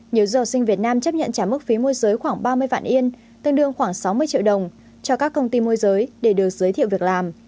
nhiều giờ học sinh việt nam chấp nhận trả mức phí môi giới khoảng ba mươi vạn yên tương đương khoảng sáu mươi triệu đồng cho các công ty môi giới để được giới thiệu việc làm